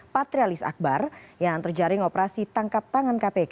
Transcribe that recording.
patrialis akbar yang terjaring operasi tangkap tangan kpk